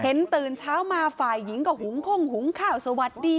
ตื่นเช้ามาฝ่ายหญิงก็หุงข้งหุงข้าวสวัสดี